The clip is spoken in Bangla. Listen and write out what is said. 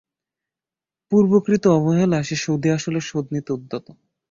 পূর্বকৃত অবহেলা সে সুদে আসলে শোধ দিতে উদ্যত।